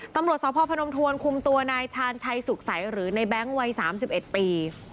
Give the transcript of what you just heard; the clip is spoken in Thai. ตำรวจสพพนมทวนคุมตัวนายชาญชัยสุขใสหรือในแบงค์วัย๓๑ปี